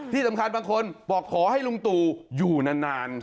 ที่สำคัญบางคนบอกขอให้ลุงตู่อยู่นาน